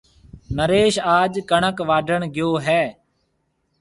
نريش آج ڪڻڪ واڍڻ گيو هيَ۔